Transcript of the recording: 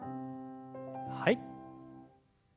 はい。